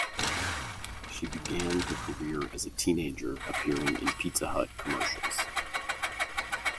She began her career as a teenager appearing in Pizza Hut commercials.